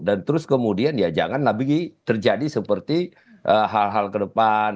dan terus kemudian ya jangan lagi terjadi seperti hal hal ke depan